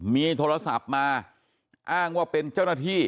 มีโทรศัพท์มาอ้างว่าเป็นเจ้าหน้าที่